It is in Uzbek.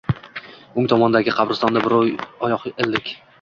O‘ng tomondagi qabristonda birrov oyoq ildik.